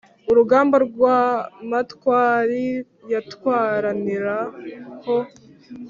urugamba rwa matwari yatwaranira ho